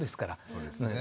そうですね。